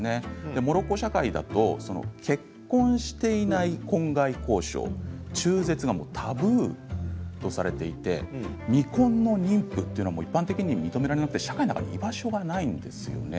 モロッコ社会だと結婚していない婚外交渉や中絶はタブーとされていて未婚の妊婦というのは一般的に認められず社会の中に居場所がないんです。